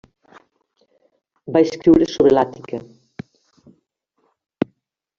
Va escriure sobre l'Àtica.